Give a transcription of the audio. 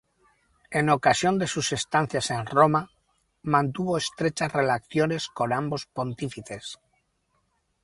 En ocasión de sus estancias en Roma, mantuvo estrechas relaciones con ambos pontífices.